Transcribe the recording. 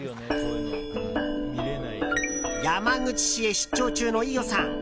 山口市へ出張中の飯尾さん。